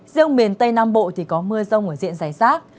riêng miền tây nam bộ thì có mưa rông ở diện giải rác